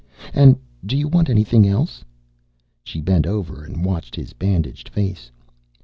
"And do you want anything else?" She bent over and watched his bandaged face.